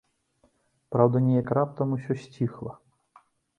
Праўда, неяк раптам усё сціхла.